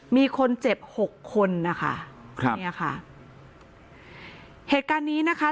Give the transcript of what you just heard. มีคนเจ็บหกคนนะคะครับเนี่ยค่ะเหตุการณ์นี้นะคะ